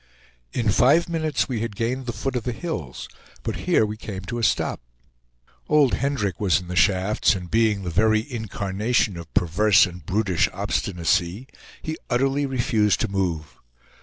In five minutes we had gained the foot of the hills, but here we came to a stop. Old Hendrick was in the shafts, and being the very incarnation of perverse and brutish obstinacy, he utterly refused to move.